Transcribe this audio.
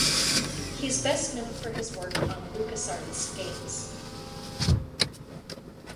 He is best known for his work on LucasArts games.